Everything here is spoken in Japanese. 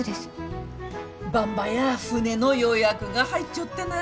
ばんばや船の予約が入っちょってな。